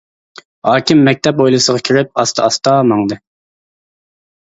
ھاكىم مەكتەپ ھويلىسىغا كىرىپ ئاستا-ئاستا ماڭدى.